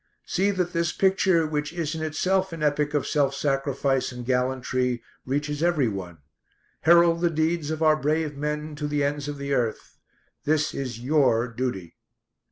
See that this picture, which is in itself an epic of self sacrifice and gallantry, reaches every one. Herald the deeds of our brave men to the ends of the earth. This is your duty."